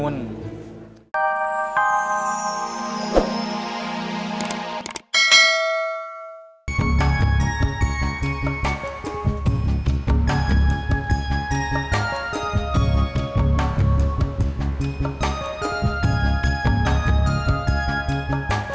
nasib baik nasib baik